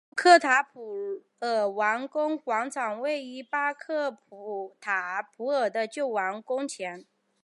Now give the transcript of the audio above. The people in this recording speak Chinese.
巴克塔普尔王宫广场位于巴克塔普尔的旧王宫前。